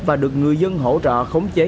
và được người dân hỗ trợ khống chế